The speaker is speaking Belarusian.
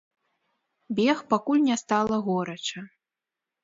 Бег пакуль не стала горача.